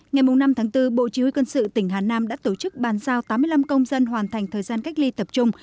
ngày năm tháng bốn bộ chỉ huy quân sự tỉnh hà nam đã tổ chức bàn giao tám mươi năm công dân hoàn thành thời gian cách ly tập trung